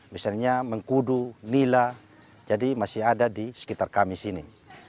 misalnya mengkudu lila jadi masih ada di sekitar kami sini